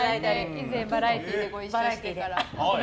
以前バラエティーでご一緒してから。